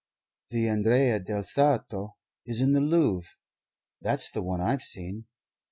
The Andrea del Sarto is in the Louvre. That's the one I've seen.